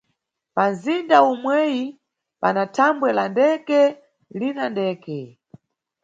Panʼzinda omweyi pana thambwe la ndeke lina ndeke.